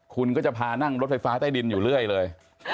คุณก็จะพานั่งรถไฟฟ้าใต้ดินอยู่เรื่อยเลย